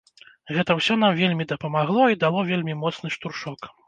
Гэта ўсё нам вельмі дапамагло і дало вельмі моцны штуршок.